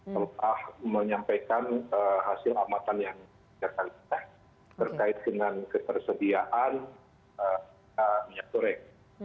telah menyampaikan hasil amatan yang terkait dengan ketersediaan minyak goreng